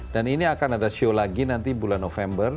ini akan ada show lagi nanti bulan november